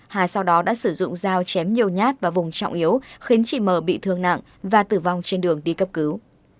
hà sau đó đã sử dụng dao chém nhiều nhát vào vùng trọng yếu khiến chị m bị thương nặng và tử vong trên đường đi cấp cứu